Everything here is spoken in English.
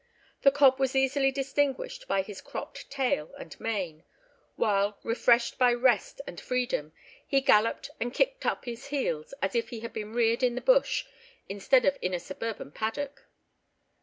The cob was easily distinguished by his cropped tail and mane, while, refreshed by rest and freedom, he galloped and kicked up his heels, as if he had been reared in the bush, instead of in a suburban paddock.